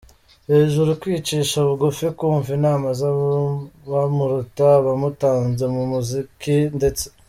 hejuru, kwicisha bugufi, kumva inama zabamuruta, abamutanze mu muziki ndetse.